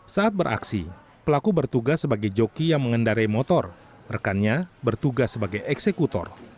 saat beraksi pelaku bertugas sebagai joki yang mengendarai motor rekannya bertugas sebagai eksekutor